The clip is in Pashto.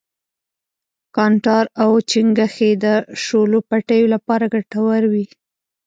کانټار او چنگښې د شولو پټیو لپاره گټور وي.